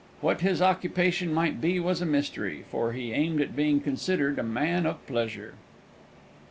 What his occupation might be was a mystery, for he aimed at being considered a man of pleasure.